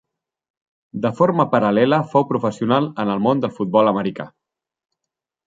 De forma paral·lela fou professional en el món del futbol americà.